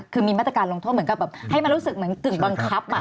คือมีมาตรการลงโทษเหมือนกับแบบให้มันรู้สึกเหมือนกึ่งบังคับ